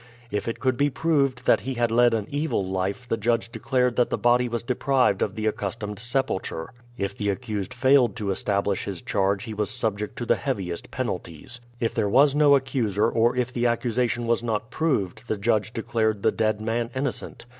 If it could be proved that he had led an evil life the judge declared that the body was deprived of the accustomed sepulture. If the accuser failed to establish his charge he was subject to the heaviest penalties. If there was no accuser or if the accusation was not proved the judge declared the dead man innocent.